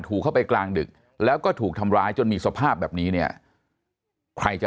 เข้าไปกลางดึกแล้วก็ถูกทำร้ายจนมีสภาพแบบนี้เนี่ยใครจะ